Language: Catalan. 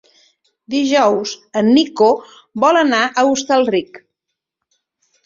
Dijous en Nico vol anar a Hostalric.